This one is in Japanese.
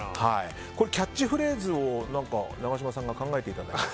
キャッチフレーズを永島さんに考えていただいて。